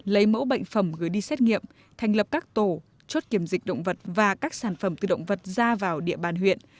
lấy mẫu bệnh phẩm gửi đi xét nghiệm thành lập các tổ chốt kiểm dịch động vật và các sản phẩm từ động vật ra vào địa bàn huyện